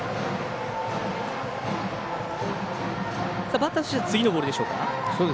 バッターとしては次のボールでしょうか。